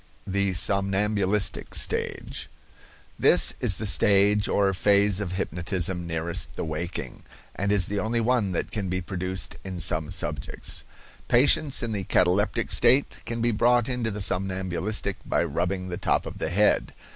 THE SOMNAMBULISTIC STAGE. This is the stage or phase of hypnotism nearest the waking, and is the only one that can be produced in some subjects. Patients in the cataleptic state can be brought into the somnambulistic by rubbing the top of the head.